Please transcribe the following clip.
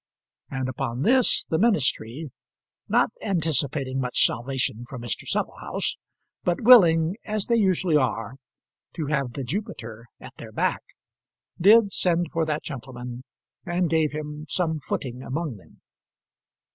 And upon this the ministry, not anticipating much salvation from Mr. Supplehouse, but willing, as they usually are, to have the Jupiter at their back, did send for that gentleman, and gave him some footing among them.